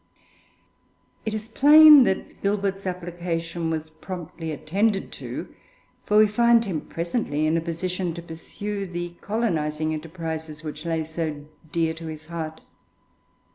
It is plain that Gilbert's application was promptly attended to, for we find him presently in a position to pursue the colonising enterprises which lay so near to his heart.